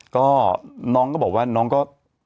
ก็น้องก็บอกว่าน้องก็